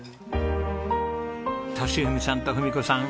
利文さんと文子さん